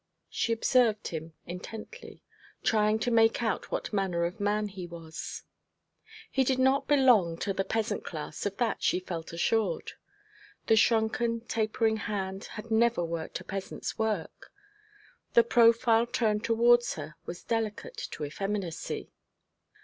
She observed him intently, trying to make out what manner of man he was. He did not belong to the peasant class: of that she felt assured. The shrunken, tapering hand had never worked at peasant's work. The profile turned towards her was delicate to effeminacy.